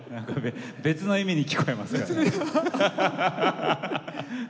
別の意味に聞こえます。